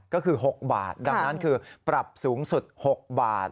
ก็คือ๖บาทดังนั้นคือปรับสูงสุด๖บาท